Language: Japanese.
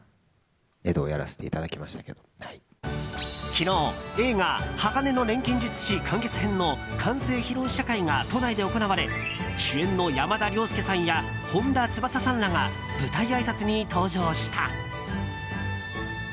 昨日、映画「鋼の錬金術師完結編」の完成披露試写会が都内で行われ主演の山田涼介さんや本田翼さんらが舞台あいさつに登場した。